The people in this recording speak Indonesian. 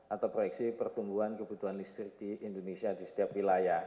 atau proyeksi pertumbuhan kebutuhan listrik di indonesia di setiap wilayah